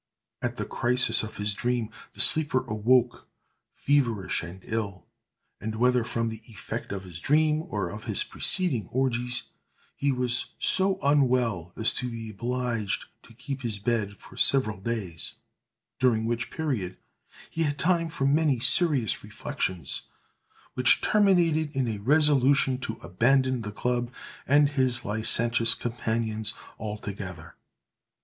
At this crisis of his dream, the sleeper awoke, feverish and ill; and, whether from the effect of his dream, or of his preceding orgies, he was so unwell as to be obliged to keep his bed for several days, during which period he had time for many serious reflections, which terminated in a resolution to abandon the club and his licentious companions altogether.